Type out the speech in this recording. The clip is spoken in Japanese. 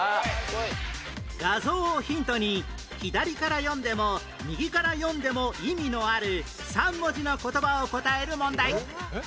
画像をヒントに左から読んでも右から読んでも意味のある３文字の言葉を答える問題